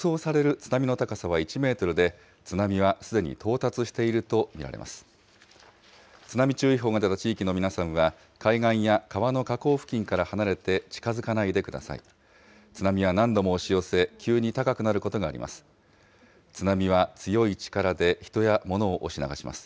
津波は何度も押し寄せ、急に高くなることがあります。